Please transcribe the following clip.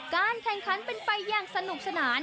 การแข่งขันเป็นไปอย่างสนุกสนาน